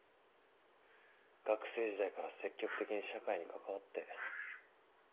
学生時代から積極的に社会に関わって。